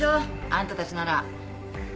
あんたたちなら。